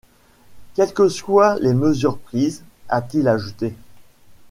Quelles que soient les mesures prises, a-t-il ajouté.